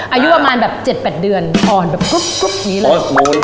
อายุประมาณแบบ๗๘เดือนอ่อนแบบกรุ๊ปอย่างนี้เลย